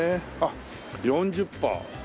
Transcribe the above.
あっ「４０％」。